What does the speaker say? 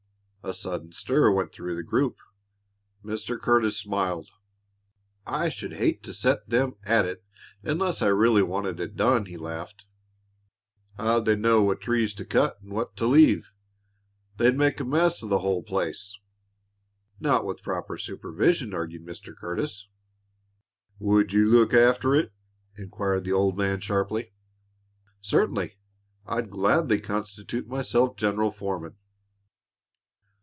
A sudden stir went through the group. Mr. Curtis smiled. "I should hate to set them at it unless I really wanted it done," he laughed. "How'd they know what trees to cut an' what to leave? They'd make a mess o' the whole place." "Not with proper supervision," argued Mr. Curtis. "Would you look after it?" inquired the old man, sharply. "Certainly! I'd gladly constitute myself general foreman."